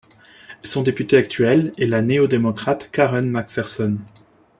Son député actuel est la néo-démocrate Karen McPherson.